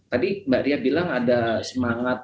tadi mbak ria bilang ada semangat